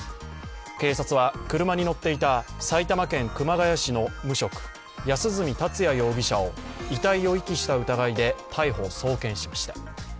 警察は車に乗っていた埼玉県熊谷市の無職、安栖達也容疑者を遺体を遺棄した疑いで逮捕・送検しました。